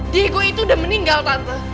diego itu udah meninggal tante